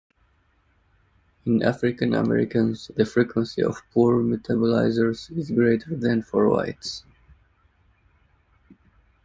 In African-Americans, the frequency of poor metabolizers is greater than for whites.